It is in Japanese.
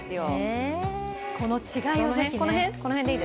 この違いを、ぜひ。